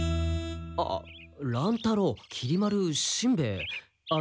あ乱太郎きり丸しんべヱアンド。